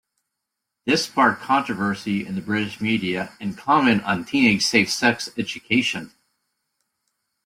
This sparked controversy in the British media and comment on teenage safe sex education.